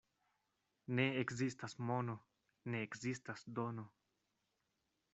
Ne ekzistas mono, ne ekzistas dono.